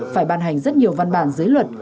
phải bàn hành rất nhiều văn bản dưới luật